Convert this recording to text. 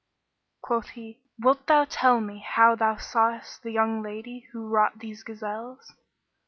Quoth he, "Wilt thou tell me how thou sawest the young lady who wrought these gazelles?"